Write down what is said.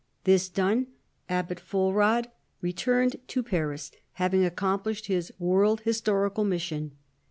This done Abbot Fulrad returned to Paris having accomplished his world historical mis sion.